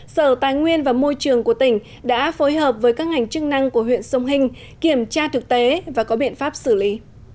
sở tài nguyên và môi trường của tỉnh đã phối hợp với các ngành chức năng của huyện sông hình kiểm tra thực tế và có biện pháp xử lý